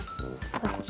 こっち